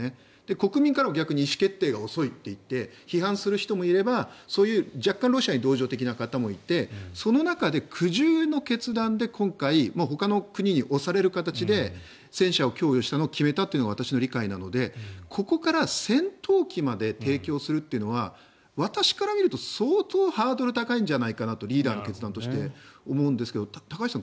国民からは逆に意思決定が遅いといって批判する人もいれば若干ロシアに同情的な方もいてその中で苦渋の決断で今回、ほかの国に押される形で戦車を供与するのを決めたというのが私の理解なのでここから戦闘機まで提供するというのは私から見ると相当ハードルが高いんじゃないかなとリーダーの決断として思うんですけど高橋さん